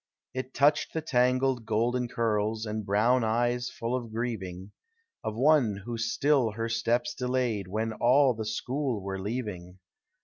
It touched the tangled golden curls, And brown eyes full of grieving, Of one who still her steps delayed When all the school were leaving.